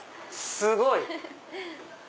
すごい！